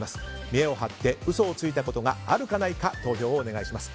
見栄を張って嘘をついたことがあるかないか投票をお願いします。